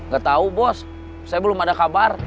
gak tahu bos saya belum ada kabar